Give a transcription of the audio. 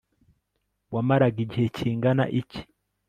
wamaraga igihe kingana iki